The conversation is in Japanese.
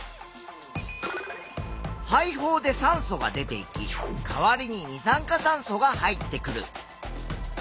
肺胞で酸素が出ていきかわりに二酸化炭素が入ってくる。